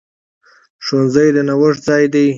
ښوونځی د نوښت ځای دی.